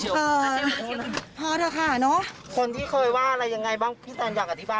พี่แสนอยากอธิบายอะไรอย่างไรบ้าง